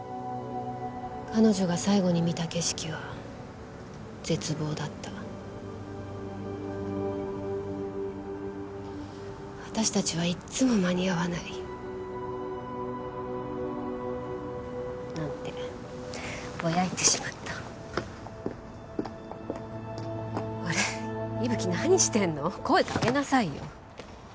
彼女が最後に見た景色は絶望だった私達はいっつも間に合わないなんてぼやいてしまったあれっ伊吹何してんの声かけなさいよ